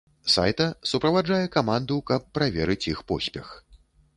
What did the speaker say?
Сайта суправаджае каманду, каб праверыць іх поспех.